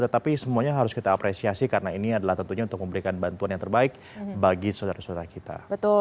tetapi semuanya harus kita apresiasi karena ini adalah tentunya untuk memberikan bantuan yang terbaik bagi saudara saudara kita